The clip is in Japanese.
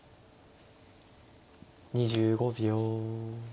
２５秒。